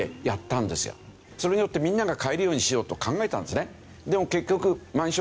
それによってみんなが買えるようにしようと考えたんですね。